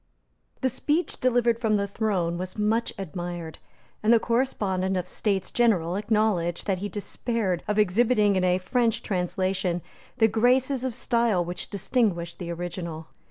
The speech delivered from the throne was much admired; and the correspondent of the States General acknowledged that he despaired of exhibiting in a French translation the graces of style which distinguished the original.